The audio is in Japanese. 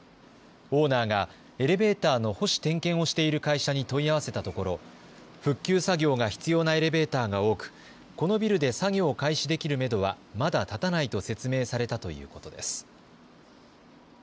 オーナーがエレベーターの保守・点検をしている会社に問い合わせたところ復旧作業が必要なエレベーターが多く、このビルで作業を開始できるめどはまだ立たないと説明されたということです。